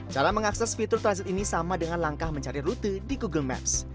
cara mengakses fitur transit ini sama dengan langkah mencari rute di google maps